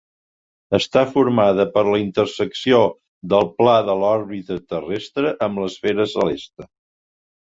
Està formada per la intersecció del pla de l'òrbita terrestre amb l'esfera celeste.